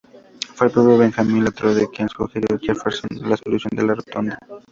Fue el propio Benjamin Latrobe quien sugirió a Jefferson la solución de la Rotonda.